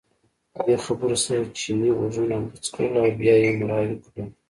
دې خبرو سره چیني غوږونه بوڅ کړل او بیا یې مړاوي کړل.